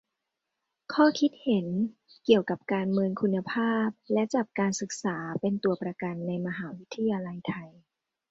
ข้อคิดเห็น เกี่ยวกับการเมินคุณภาพและจับการศึกษาเป็นตัวประกันในมหาวิทยาลัยไทย